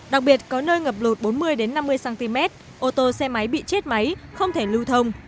đặc biệt có nơi ngập lụt bốn mươi năm mươi cm ô tô xe máy bị chết máy không thể lưu thông